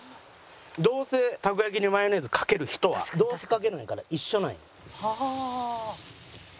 どうせたこ焼きにマヨネーズかける人はどうせかけるんやから一緒なんよ。